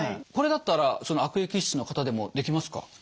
これだったらその悪液質の方でもできますか？